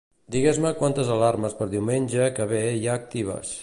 Digues-me quantes alarmes per diumenge que ve hi ha actives.